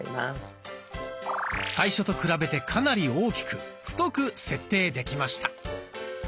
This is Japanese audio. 最初と比べてかなり大きく太く設定できました。